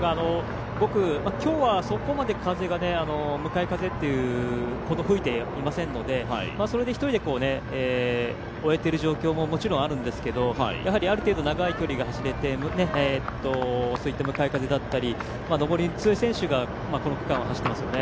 今日は向かい風というほど風は吹いていませんのでそれで１人で追えている状況も、もちろんあるんですけどある程度長い距離が走れて、向かい風だったり、上りに強い選手がこの区間を走っていますよね。